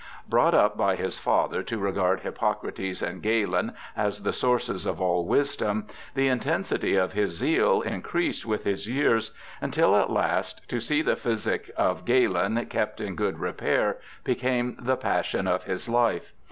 ^ Brought up by his father to regard Hippocrates and Galen as the sources of all wisdom, the intensity of his zeal increased with his years until at last ' to see the physic of Galen kept in good repair ' became the passion of his life.